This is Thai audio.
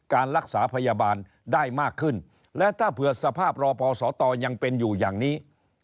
การรักษาพยาบาลได้มากขึ้นและถ้าเผื่อสภาพรอพอสตยังเป็นอยู่อย่างนี้